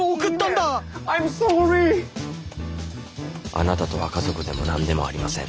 あなたとは家族でもなんでもありません。